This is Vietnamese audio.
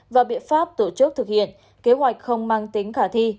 và biện pháp tổ chức thực hiện kế hoạch không mang tính khả thi